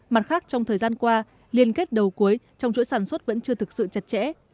mặt khác trong thời gian qua liên kết đầu cuối trong chuỗi sản xuất vẫn chưa thực sự chặt chẽ